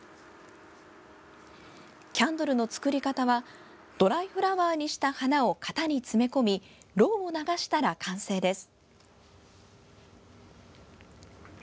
キャンドルの作り方はドライフラワーにした花を型に詰め込みろうを流したら完成です。